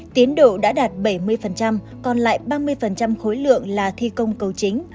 tiến độ đã đạt bảy mươi còn lại ba mươi khối lượng là thi công cầu chính